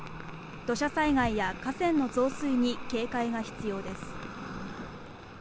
土砂災害や河川の増水に警戒が必要です。